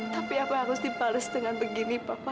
tapi apa harus dibalas dengan begini papa